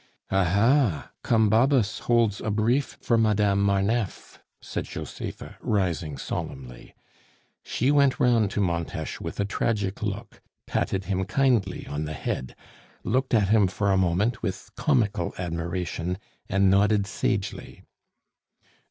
"Ah, ha! Combabus holds a brief for Madame Marneffe!" said Josepha, rising solemnly. She went round to Montes with a tragic look, patted him kindly on the head, looked at him for a moment with comical admiration, and nodded sagely.